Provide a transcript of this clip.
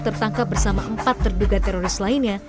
tertangkap bersama empat terduga teroris lainnya